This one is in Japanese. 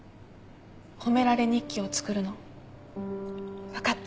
褒められ日記を作るの。分かった。